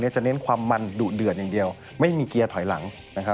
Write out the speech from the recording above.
จะเน้นความมันดุเดือดอย่างเดียวไม่มีเกียร์ถอยหลัง